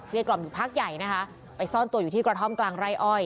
กล่อมอยู่พักใหญ่นะคะไปซ่อนตัวอยู่ที่กระท่อมกลางไร่อ้อย